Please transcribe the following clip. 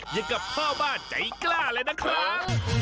อย่างกับพ่อบ้านใจกล้าเลยนะครับ